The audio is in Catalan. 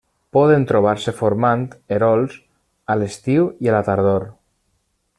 Poden trobar-se formant erols a l'estiu i a la tardor.